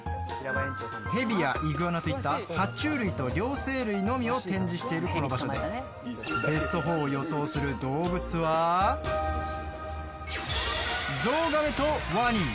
ヘビやイグアナといった爬虫類と両生類のみを展示しているこの場所でベスト４を予想する動物はゾウガメとワニ。